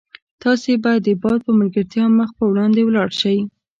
تاسي به د باد په ملګرتیا مخ په وړاندې ولاړ شئ.